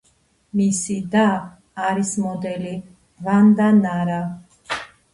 მისი და არის მოდელი ვანდა ნარა.